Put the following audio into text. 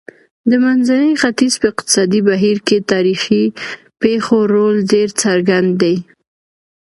د منځني ختیځ په اقتصادي بهیر کې تاریخي پېښو رول ډېر څرګند دی.